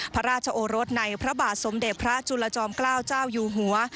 พระราชโอรสในพระบาทสมเด็จพระจุลจอมเกล้าเจ้าอยู่หัว